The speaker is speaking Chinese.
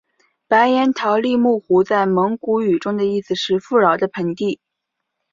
白彦陶力木湖在蒙古语中的意思是富饶的盆地。